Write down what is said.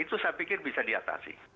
itu saya pikir bisa diatasi